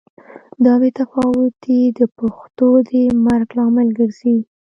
دا بې تفاوتي د پښتو د مرګ لامل ګرځي.